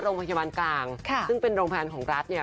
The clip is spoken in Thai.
โรงพยาบาลกลางค่ะซึ่งเป็นโรงพยาบาลของรัฐเนี่ย